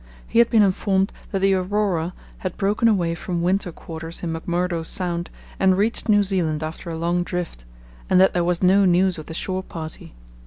He had been informed that the Aurora had broken away from winter quarters in McMurdo Sound and reached New Zealand after a long drift, and that there was no news of the shore party.